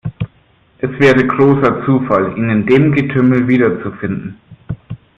Es wäre großer Zufall, ihn in dem Getümmel wiederzufinden.